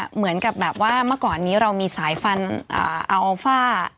เหมือนกับแบบว่าเมื่อก่อนนี้เรามีสายฟันอัลฟ่า